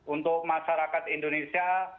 untuk masyarakat indonesia